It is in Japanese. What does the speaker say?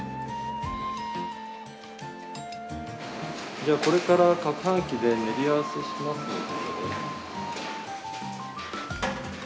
じゃあこれからかくはん機で練り合わせしますので。